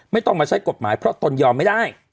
ไม่ต้องมาใช้กฎหมายเพราะตนยอมไม่ได้